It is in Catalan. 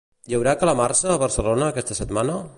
Hi haurà calamarsa a Barcelona aquesta setmana?